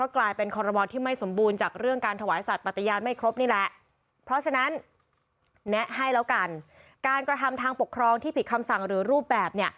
กระทำทางปกครองที่ผิดคำสั่งหรือรูปแบบเนี่ย